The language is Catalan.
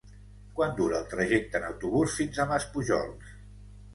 Quant dura el trajecte en autobús fins a Maspujols?